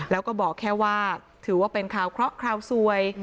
แล้วก็บอกแค่ว่าถือว่าเป็นข่าวเคราะห์คราวสวย